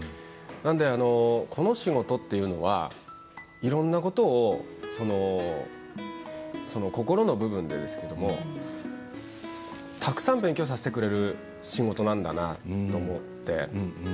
なんで、この仕事というのはいろんなことを心の部分でですけれどもたくさん勉強させてくれる仕事なんだなって思って。